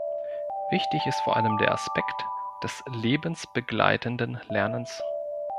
Wichtig ist vor allem der Aspekt des lebensbegleitenden Lernens.